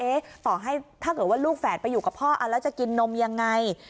ต่อให้ถ้าเกิดว่าลูกแฝดไปอยู่กับพ่อเอาแล้วจะกินนมยังไง